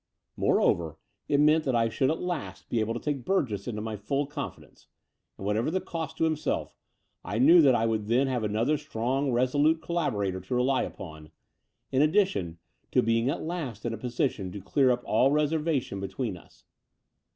Moreover, it meant that I should at last be able to take Burgess into my full confidence; and, whatever the cost to himself, I knew that I would then have another strong reso lute collaborator to rely upon, in addition to being at last in a position to dear up all reservation between us.